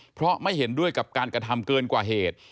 เพราะไม่เห็นด้วยกับการกระทำเกินกว่าเหตุ